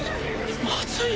まずいよ